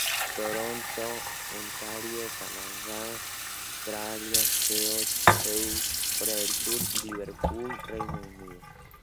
Toronto, Ontario, Canadá; Melbourne, Australia; Seocho-gu, Seúl, Corea del Sur; y Liverpool, Reino Unido.